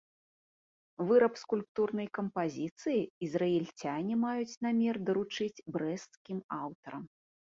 Выраб скульптурнай кампазіцыі ізраільцяне маюць намер даручыць брэсцкім аўтарам.